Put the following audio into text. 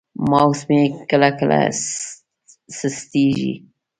ماوس مې کله کله سستېږي.